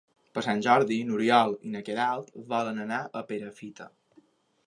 Per Sant Jordi n'Oriol i na Queralt volen anar a Perafita.